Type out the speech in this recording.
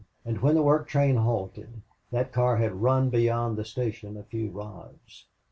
And when the work train halted, that car had run beyond the station a few rods.